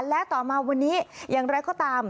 และต่อมาวันนี้อย่างไรก็ตาม